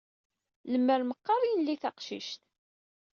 Lemmer meqqar d ay nli taqcict!